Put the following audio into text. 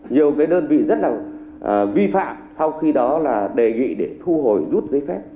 nhiều cái đơn vị rất là vi phạm sau khi đó là đề nghị để thu hồi rút giấy phép